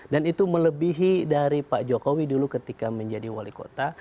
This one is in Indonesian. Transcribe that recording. dan itu melebihi dari pak jokowi dulu ketika menjadi wali kota